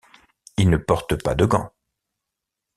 Ils ne portent pas de gants.